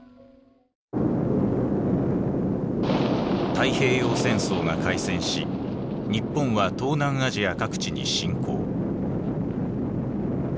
太平洋戦争が開戦し日本は東南アジア各地に侵攻。